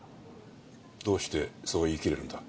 どうしてそう言い切れるんだ？